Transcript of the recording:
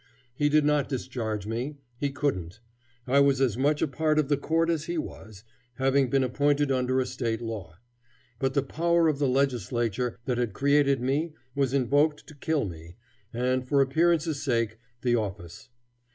He did not discharge me; he couldn't. I was as much a part of the court as he was, having been appointed under a State law. But the power of the Legislature that had created me was invoked to kill me, and, for appearance's sake, the office.